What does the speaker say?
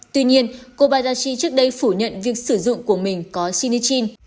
tuy nhiên kobayashi trước đây phủ nhận việc sử dụng của mình có sinichin